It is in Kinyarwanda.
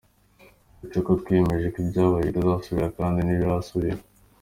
Uretse ko twiyemeje ko ibyabaye bitazasubira…kandi ntibirasubira!